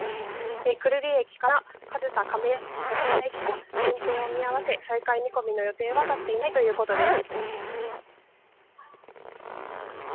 久留里駅から上総亀山駅まで運転を見合わせ、再開見込みの予定は立っていないということです。